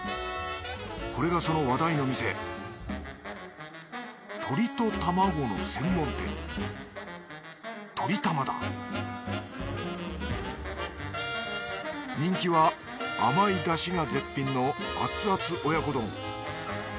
これがその話題の店鳥と卵の専門店鳥玉だ人気は甘いだしが絶品の熱々親子丼